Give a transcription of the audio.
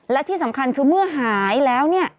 และที่สำคัญคือเมื่อหายแล้วเนี่ย